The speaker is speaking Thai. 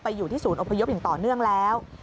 อยู่ที่ศูนย์อพยพอย่างต่อเนื่องแล้ว